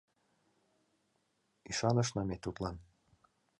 Ӱшанышна ме тудлан